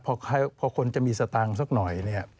เพราะคนจะมีสตางค์ซักหน่อย